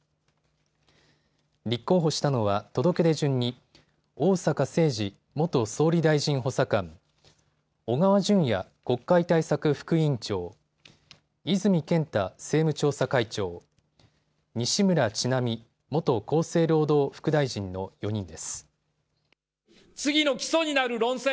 立候補したのは届け出順に逢坂誠二元総理大臣補佐官、小川淳也国会対策副委員長、泉健太政務調査会長、西村智奈美元厚生労働副大臣の４人です。